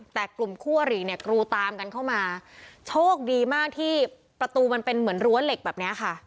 แต่กลุ่มคู่อริเนี่ยกรูตามกันเข้ามาโชคดีมากที่ประตูมันเป็นเหมือนรั้วเหล็กแบบเนี้ยค่ะ